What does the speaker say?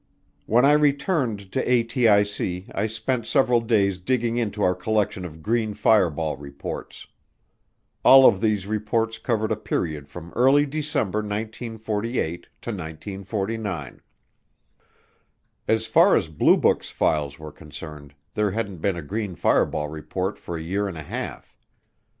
When I returned to ATIC I spent several days digging into our collection of green fireball reports. All of these reports covered a period from early December 1948 to 1949. As far as Blue Book's files were concerned, there hadn't been a green fireball report for a year and a half.